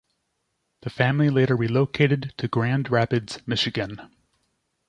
The family later relocated to Grand Rapids, Michigan.